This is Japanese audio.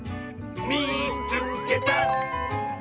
「みいつけた！」。